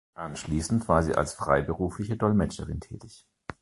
Anschließend war sie als freiberufliche Dolmetscherin tätig.